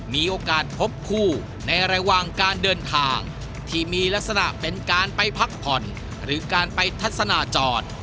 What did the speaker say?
มีโอกาสพบคู่ในระหว่างการเดินทางที่มีลักษณะเป็นการไปพักผ่อนหรือการไปทัศนาจอด